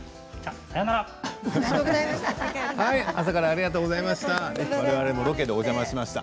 朝からありがとうございました。